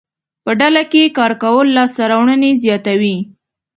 په ډله کې کار کول لاسته راوړنې زیاتوي.